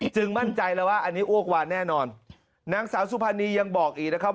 มั่นใจแล้วว่าอันนี้อ้วกวานแน่นอนนางสาวสุภานียังบอกอีกนะครับ